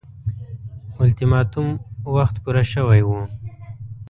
اولتیماتوم وخت پوره شوی وو.